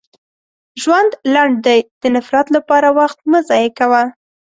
• ژوند لنډ دی، د نفرت لپاره وخت مه ضایع کوه.